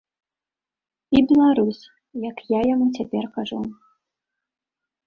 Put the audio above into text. І беларус, як я яму цяпер кажу.